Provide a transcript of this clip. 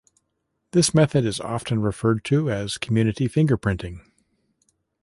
This method is often referred to as community fingerprinting.